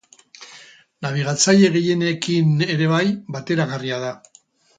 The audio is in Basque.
Nabigatzaile gehienekin ere bai bateragarria da.